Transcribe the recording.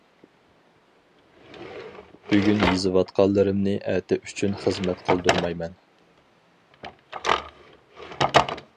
بۈگۈن يېزىۋاتقانلىرىمنى ئەتە ئۈچۈن خىزمەت قىلدۇرمايمەن.